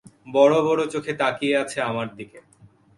বড়-বড় চোখে তাকিয়ে আছে আমার দিকে।